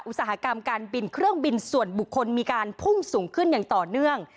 อุตสาหกรรมการบินเครื่องบินส่วนบุคคลมีการพุ่งสูงขึ้นอย่างต่อเนื่อง